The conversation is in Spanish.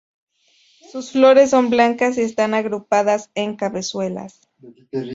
Sus flores son blancas y están agrupadas en cabezuelas.